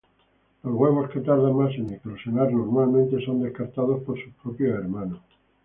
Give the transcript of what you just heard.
Los huevos que tardan más en eclosionar normalmente son descartados por sus propios hermanos.